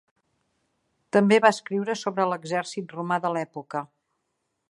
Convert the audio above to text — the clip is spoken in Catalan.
També va escriure sobre l'exèrcit romà de l'època.